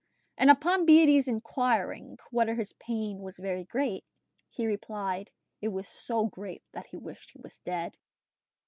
And upon Beatty's inquiring whether his pain was very great, he replied, it was so great that he wished he was dead.